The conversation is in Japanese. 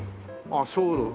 あっそう。